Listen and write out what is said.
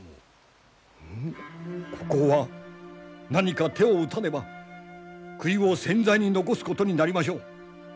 ここは何か手を打たねば悔いを千載に残すことになりましょう。